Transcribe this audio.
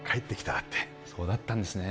ってそうだったんですねえ